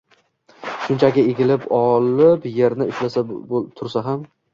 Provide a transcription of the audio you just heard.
shunchaki egilib olib yerni ushlab tursa ham